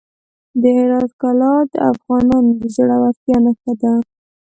د هرات کلا د افغانانو د زړورتیا نښه ده.